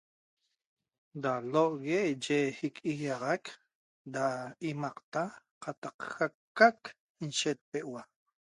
Da lohogue eye iquiaxaq da imaqta qataq yac inyetpegueua